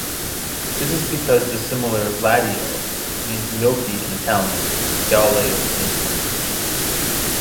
This is because the similar "Latteo" means "Milky" in Italian, Galileo's native language.